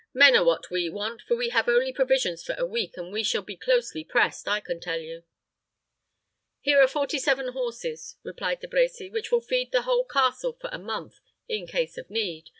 Men are what we want, for we have only provisions for a week, and we shall be closely pressed, I can tell you." "Here are forty seven horses," answered De Brecy, "which will feed the whole castle for a month, in case of need.